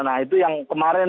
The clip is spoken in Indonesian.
nah itu yang kemarin